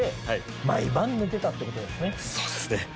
そうですね。